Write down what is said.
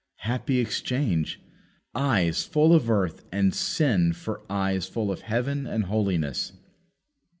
Happy exchange! eyes full of earth and sin for eyes full of heaven and holiness!